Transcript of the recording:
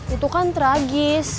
itu kan tragis